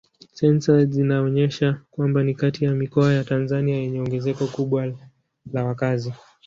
Sensa zinaonyesha kwamba ni kati ya mikoa ya Tanzania yenye ongezeko kubwa la wakazi.